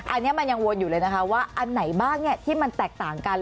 อันนี้มันยังวนอยู่เลยนะคะว่าอันไหนบ้างที่มันแตกต่างกัน